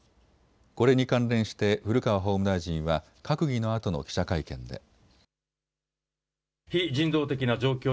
これに関連して古川法務大臣は閣議のあとの記者会見で。